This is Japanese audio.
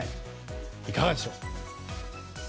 いかがでしょう。